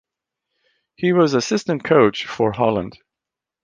He was Assistant Coach for Holland.